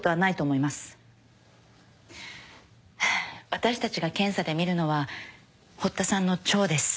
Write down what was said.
私たちが検査で見るのは堀田さんの腸です。